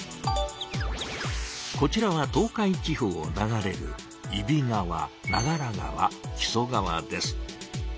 こちらは東海地方を流れる揖斐川長良川木曽川です。